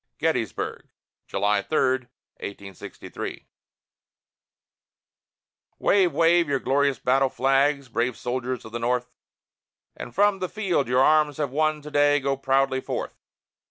GETTYSBURG [July 3, 1863] Wave, wave your glorious battle flags, brave soldiers of the North, And from the field your arms have won to day go proudly forth!